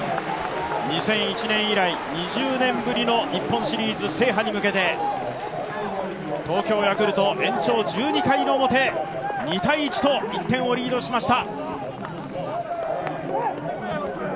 ２００１年以来２０年ぶりの日本シリーズ制覇に向けて、東京ヤクルト、延長１２回表、２−１とリードしました。